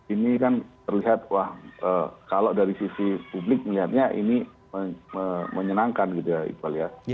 ini kan terlihat wah kalau dari sisi publik melihatnya ini menyenangkan gitu ya iqbal ya